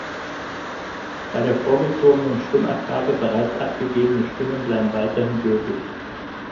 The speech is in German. Die bei der vorgezogene Stimmabgabe bereits abgegebenen Stimmen bleiben weiterhin gültig.